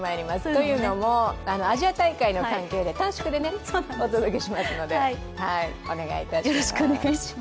というのも、アジア大会の関係で短縮でお届けしますのでお願いいたします。